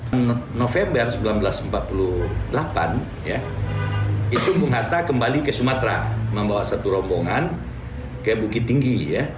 bulan november seribu sembilan ratus empat puluh delapan ya itu bung hatta kembali ke sumatera membawa satu rombongan ke bukit tinggi